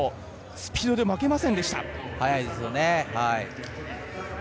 スピードで負けませんでした。